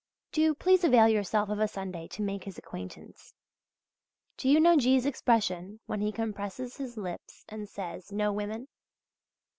Do please avail yourself of a Sunday to make his acquaintance. Do you know G.'s expression when he compresses his lips and says "no women?"